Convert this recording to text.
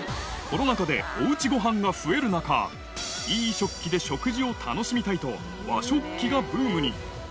コロナ禍でおうちごはんが増える中、いい食器で食事を楽しみたいと、和食器がブームに。